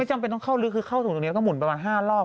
ไม่จำเป็นต้องเข้าลึกคือเข้าถึงตรงนี้ก็หมุนประมาณ๕รอบ